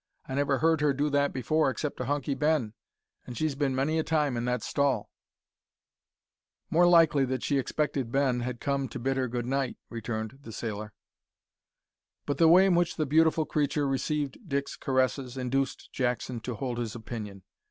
"I never heard her do that before except to Hunky Ben, and she's bin many a time in that stall." "More likely that she expected Ben had come to bid her good night," returned the sailor. But the way in which the beautiful creature received Dick's caresses induced Jackson to hold to his opinion.